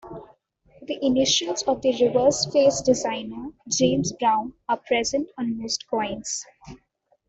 The initials of the reverse face designer James Brown are present on most coins.